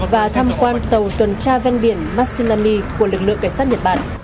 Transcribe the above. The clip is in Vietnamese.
và thăm quan tàu tuần tra ven biển matsunami của lực lượng cảnh sát nhật bản